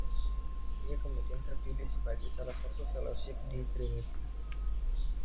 Ia kemudian terpilih sebagai salah satu Fellowship di Trinity.